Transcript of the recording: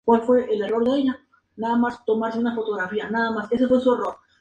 Los tejidos más apreciados eran el raso, el terciopelo y las telas doradas.